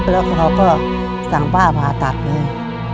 แล้วเขาก็สั่งป้าผ่าตัดเลย